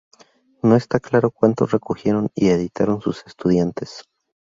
No está claro cuanto recogieron y editaron sus estudiantes.